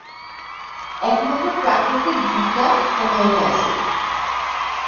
একমাত্র প্রাকৃতিক beta amino acid.